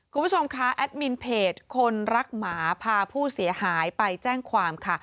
คุณผู้ชมคะแอดมินเพจคนรักหมาพาผู้เสียหายไปแจ้งความค่ะ